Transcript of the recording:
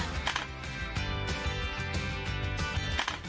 สุดยอด